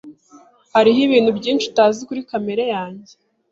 Hariho ibintu byinshi utazi kuri kamere yanjye.